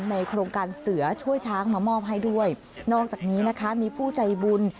ในโครงการเสือช่วยช้างมามอบให้ด้วยนอกจากนี้นะคะมีผู้ใจบุญ